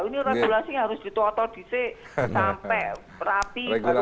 ini regulasi harus ditotoh disik sampai rapi lalu kemudian